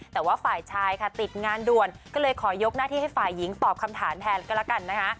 แต่ว่าฝ่ายชายค่ะติดงานด่วนก็เลยขอยกหน้าที่ให้ฝ่ายหญิงตอบคำถามแทนก็แล้วกันนะคะ